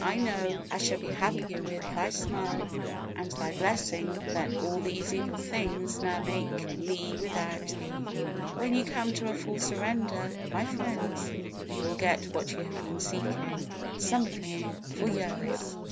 I know I shall be happier with Thy smile and Thy blessing than all these evil things now make me without Thee." When you come to a full surrender, my friends, you will get what you have been seeking, some of you, for years.